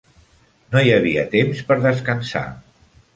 No hi havia temps per descansar.